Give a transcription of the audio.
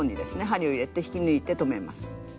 針を入れて引き抜いて止めます。